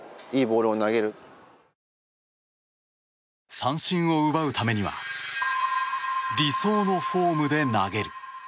三振を奪うためには理想のフォームで投げる。